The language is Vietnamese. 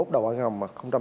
đầu năm hai nghìn hai mươi hai